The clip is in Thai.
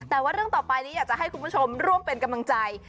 แต่ว่าเรื่องต่อไปนี้อยากจะให้คุณผู้ชมร่วมเป็นกำลังใจ